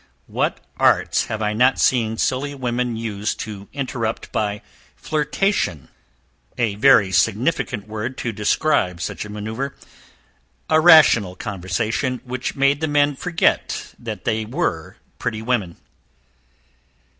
What arts have I not seen silly women use to interrupt by FLIRTATION, (a very significant word to describe such a manoeuvre) a rational conversation, which made the men forget that they were pretty women.